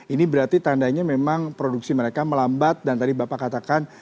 ini berarti tandanya memang produksi mereka melambat dan tadi bapak katakan